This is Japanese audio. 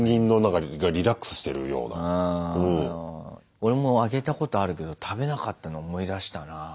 俺もあげたことあるけど食べなかったの思い出したな。